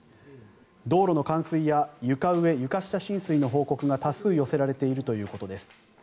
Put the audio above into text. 道路の冠水や床上・床下浸水の報告が多数寄せられているということです。